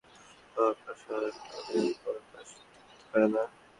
মুক্তিযুদ্ধকে বিতর্কিত করার কোনো অপপ্রয়াস ঢাকা বিশ্ববিদ্যালয় বরদাশত করতে পারে না।